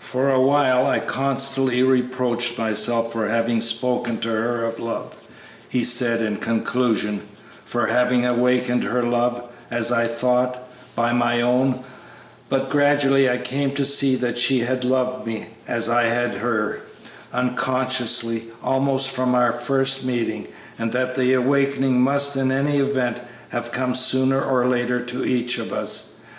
"For a while I constantly reproached myself for having spoken to her of love," he said, in conclusion; "for having awakened her love, as I thought, by my own; but gradually I came to see that she had loved me, as I had her, unconsciously, almost from our first meeting, and that the awakening must in any event have come sooner or later to each of us.